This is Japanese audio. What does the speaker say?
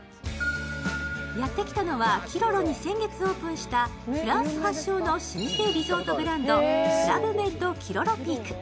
やってきたのはキロロに先月オープンしたフランス発祥の老舗リゾートブランド、クラブメッド・キロロピーク。